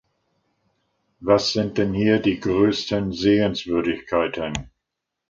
Was sind denn hier die größten Sehenswürdigkeiten?